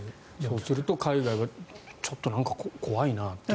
そうすると海外はちょっと怖いなという。